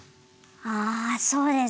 ああそうですね。